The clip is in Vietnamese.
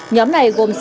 nhóm này gồm